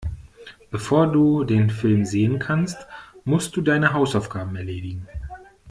Bevor du den Film sehen kannst, musst du deine Hausaufgaben erledigen.